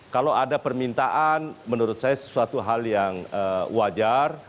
kalau ada permintaan menurut saya sesuatu hal yang wajar